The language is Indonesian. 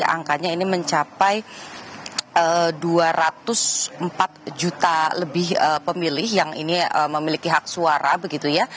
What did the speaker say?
angkanya ini mencapai dua ratus empat juta lebih pemilih yang ini memiliki hak suara begitu ya